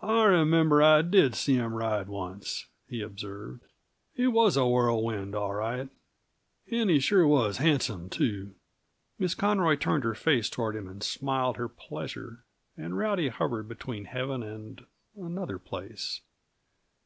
"I remember I did see him ride once," he observed. "He was a whirlwind, all right and he sure was handsome, too." Miss Conroy turned her face toward him and smiled her pleasure, and Rowdy hovered between heaven and another place.